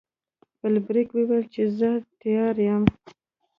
فلیریک وویل چې زه تیار یم.